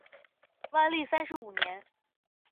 万历三十五年。